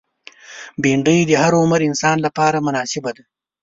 بېنډۍ د هر عمر انسان لپاره مناسبه ده